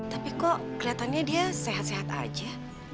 tapi kok kelihatannya dia sehat sehat aja